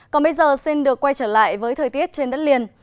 còn bây giờ xin được quay trở lại với thời tiết trên đất liền